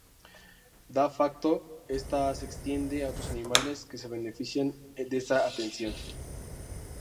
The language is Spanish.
De facto, esta, se extiende a otros animales que se benefician de esta atención.